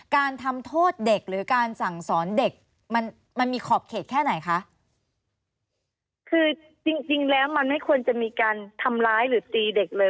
การทำโทษเด็กหรือการสั่งสอนเด็กมันมันมีขอบเขตแค่ไหนคะคือจริงจริงแล้วมันไม่ควรจะมีการทำร้ายหรือตีเด็กเลย